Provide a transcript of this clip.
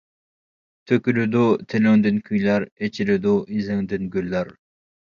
تۆكۈلىدۇ تىلىڭدىن كۈيلەر، ئېچىلىدۇ ئىزىڭدىن گۈللەر.